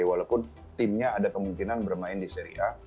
walaupun timnya ada kemungkinan bermain di seri a